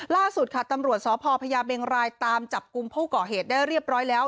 ล่าสุดคันตรงรวชสศพรพญเบงรายเศร้าจัดกรุมผู้ก่อเหตุได้เรียบร้อยแล้ว